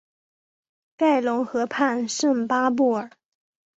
盖隆河畔圣巴尔布。